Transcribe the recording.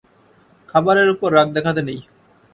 খাবারের উপর রাগ দেখাতে নেই।